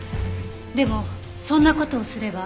でもそんな事をすれば。